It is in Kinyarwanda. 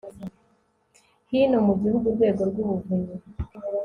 hino mu gihugu urwego rw umuvunyi